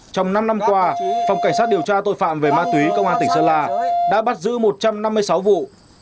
trong năm năm qua phòng cảnh sát điều tra tội phạm về ma túy công an tỉnh sơn la đã bắt giữ một trăm năm mươi sáu vụ